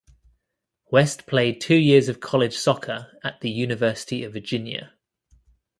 West played two years of college soccer at the University of Virginia.